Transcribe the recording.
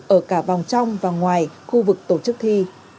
ở cả vòng trong và ngoài khu vực tổ chức thi